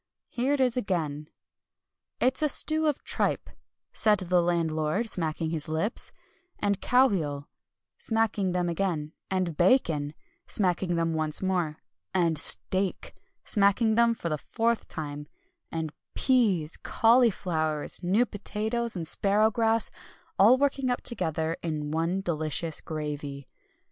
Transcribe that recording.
Here it is again: "'It's a stew of tripe,' said the landlord, smacking his lips, 'and cowheel,' smacking them again, 'and bacon,' smacking them once more, 'and steak,' smacking them for the fourth time, 'and peas, cauliflowers, new potatoes, and sparrowgrass, all working up together in one delicious gravy.'